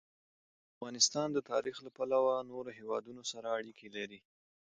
افغانستان د تاریخ له پلوه له نورو هېوادونو سره اړیکې لري.